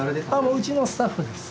うちのスタッフです。